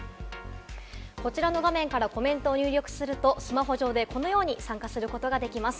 こちらの画面からコメントを入力するとスマホ上でこのように参加することができます。